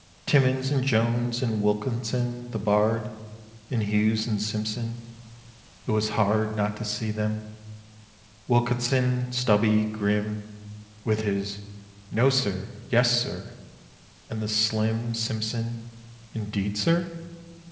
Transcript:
Timmins and Jones and Wilkinson (the 'bard'), And Hughes and Simpson. It was hard Not to see them: Wilkinson, stubby, grim, With his "No, sir," "Yes, sir," and the slim Simpson: "Indeed, sir?"